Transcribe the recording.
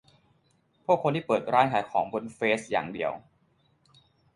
พวกคนที่เปิดร้านขายของบนเฟซอย่างเดียว